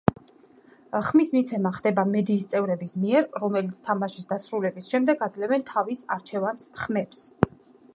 ხმის მიცემა ხდება მედიის წევრების მიერ, რომელიც თამაშის დასრულების შემდეგ აძლევენ თავის არჩევანს ხმებს.